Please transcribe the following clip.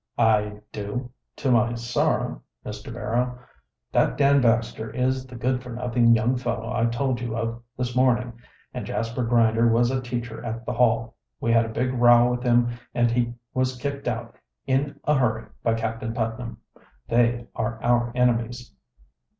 "I do to my sorrow, Mr. Barrow. That Dan Baxter is the good for nothing young fellow I told you of this morning, and Jasper Grinder was a teacher at the Hall. We had a big row with him and he was kicked out in a hurry by Captain Putnam. They are our enemies."